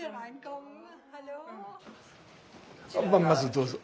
まずどうぞ。